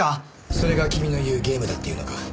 それが君の言うゲームだっていうのか？